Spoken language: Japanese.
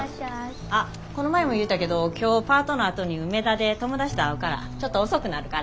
あっこの前も言うたけど今日パートのあとに梅田で友達と会うからちょっと遅くなるから。